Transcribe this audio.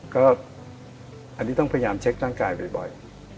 ก็อันนี้ต้องพยายามเช็คร่างกายบ่อย